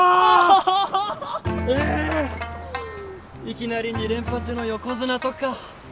いきなり２連覇中の横綱とか。